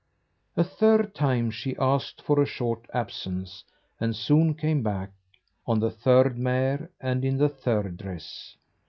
A third time she asked for a short absence, and soon came back on the third mare and in the third dress.